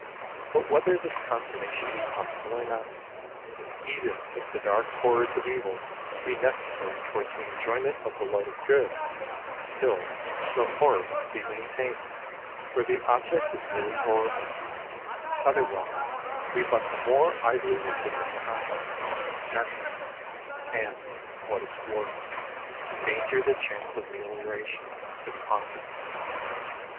But whether this consummation be possible or not, and even if the dark horrors of evil be necessary towards the enjoyment of the light of good, still the horror must be maintained, where the object is really horrible; otherwise, we but the more idly resist the contrast, if necessary and, what is worse, endanger the chance of melioration, if possible.